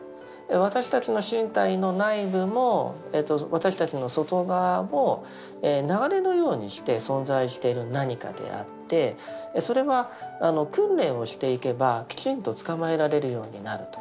私たちの身体の内部も私たちの外側も流れのようにして存在している何かであってそれは訓練をしていけばきちんとつかまえられるようになると。